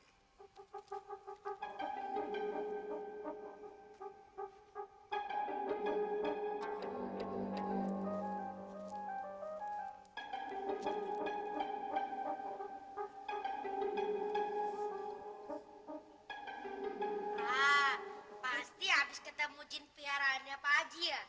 pak pasti habis ketemu jin piharannya pak haji ya